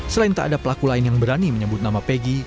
selain tak ada pelaku lain yang berani menyebut nama pegi